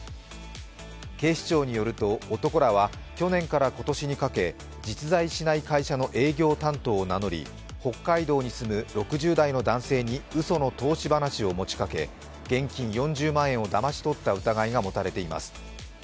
警視庁によると男らは去年から今年にかけ実在しない会社の営業担当を名乗り、北海道に住む６０代の男性にうその投資話を持ちかけ、現金４０万円をだまし取った疑いが持たれています。